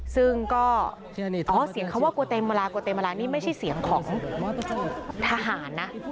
ซึ่งก็อ๋อเสียงเขาว่ากลัวเต็มเวลากลัวเต็มเวลานี่ไม่ใช่เสียงของทหารนะ